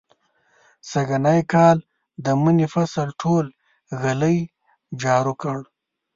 سږنی کال د مني فصل ټول ږلۍ جارو کړ.